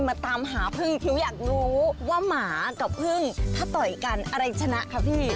มาตามหาพึ่งพิวอยากรู้ว่าหมากับพึ่งถ้าต่อยกันอะไรชนะคะพี่